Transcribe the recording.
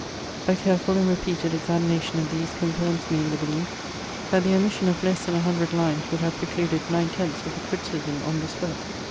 A careful and repeated examination of these confirms me in the belief, that the omission of less than a hundred lines would have precluded nine tenths of the criticism on this work.